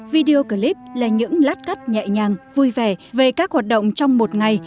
video clip là những lát cắt nhẹ nhàng vui vẻ về các hoạt động trong một ngày